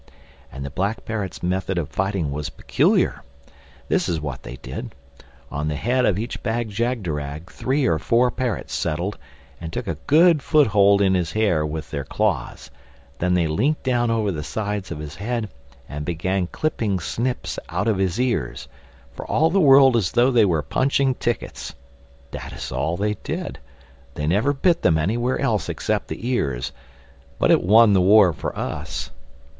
And the Black Parrots' method of fighting was peculiar. This is what they did: on the head of each Bag jagderag three or four parrots settled and took a good foot hold in his hair with their claws; then they leant down over the sides of his head and began clipping snips out of his ears, for all the world as though they were punching tickets. That is all they did. They never bit them anywhere else except the ears. But it won the war for us.